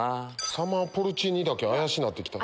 サマーポルチーニ茸怪しくなってきたな。